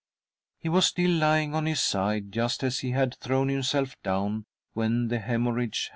He was still lying on his side, just as he had thrown himself down when the hemorrhage had I